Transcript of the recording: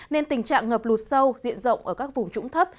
nên tình trạng ngập lụt sâu diện rộng ở các vùng trũng thấp